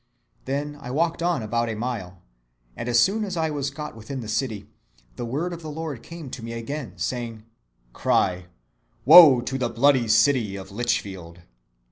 Then I walked on about a mile, and as soon as I was got within the city, the word of the Lord came to me again, saying: Cry, 'Wo to the bloody city of Lichfield!